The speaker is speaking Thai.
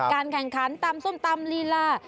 การแข่งขันตำส้มตำลีลา